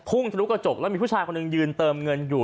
ทะลุกระจกแล้วมีผู้ชายคนหนึ่งยืนเติมเงินอยู่